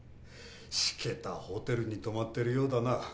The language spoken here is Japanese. しけたホテルに泊まってるようだな。